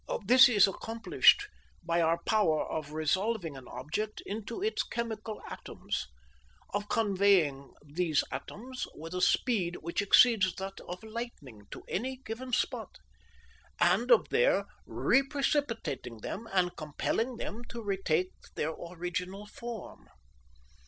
This is accomplished by our power of resolving an object into its chemical atoms, of conveying these atoms with a speed which exceeds that of lightning to any given spot, and of there re precipitating them and compelling them to retake their original form.